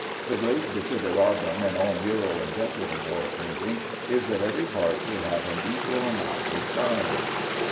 The great desideratum in all mural and decorative oil painting is that every part should have an equal amount of shine.